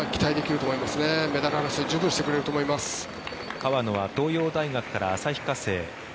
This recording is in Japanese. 川野は東洋大学から旭化成。